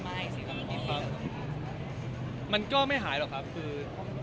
มีเรื่องอะไรตรงกี้